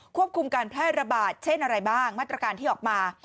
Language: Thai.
ควบคุมการแพร่ระบาดเช่นอะไรบ้างมาตรการที่ออกมา